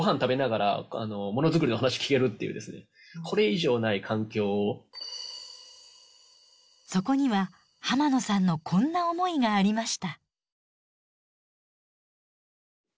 住んでるレベルでそこには浜野さんのこんな思いがありました。